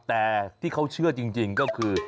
แต่ที่เขาเชื่อจริงก็คือ